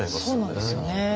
そうなんですよね。